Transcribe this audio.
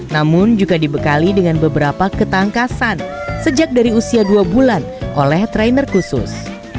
namun juga dibekali dengan beberapa ketangkasan sejak dari usia dua bulan oleh trainer khusus